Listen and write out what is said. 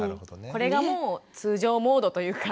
これがもう通常モードというか。